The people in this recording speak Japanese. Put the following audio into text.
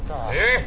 えっ？